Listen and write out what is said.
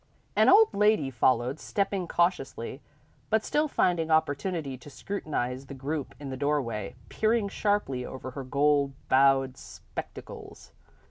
An old lady followed, stepping cautiously, but still finding opportunity to scrutinise the group in the doorway, peering sharply over her gold bowed spectacles.